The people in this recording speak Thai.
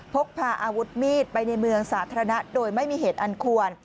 พกพาอาวุธมีดไปในเมืองสาธารณะโดยไม่มีเหตุอันควร